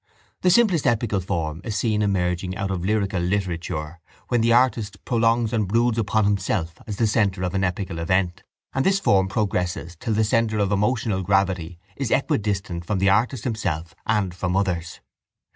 The simplest epical form is seen emerging out of lyrical literature when the artist prolongs and broods upon himself as the centre of an epical event and this form progresses till the centre of emotional gravity is equidistant from the artist himself and from others.